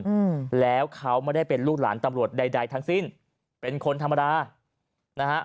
อืมแล้วเขาไม่ได้เป็นลูกหลานตำรวจใดใดทั้งสิ้นเป็นคนธรรมดานะฮะ